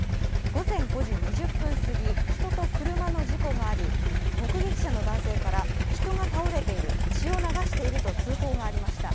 午前５時２０分すぎ、人と車の事故があり目撃者の男性から、人が倒れている血を流していると通報がありました。